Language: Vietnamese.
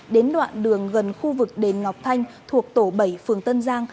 đến đoạn đường gần khu vực đền ngọc thanh thuộc tổ bảy phường tân giang